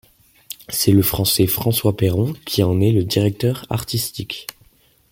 C'est le français François Perron qui en est le directeur artistique.